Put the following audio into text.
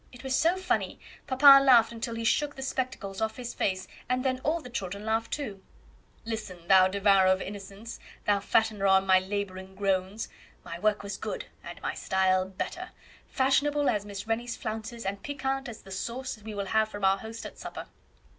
It was so funny; papa laughed till he shook the spectacles off his face, and then all the children laughed too." "Listen, thou devourer of innocents, thou fattener on my labour and groans. My work was good, and my style better, fashionable as Miss Rennie's flounces, and piquant as the sauce we will have from our host at supper."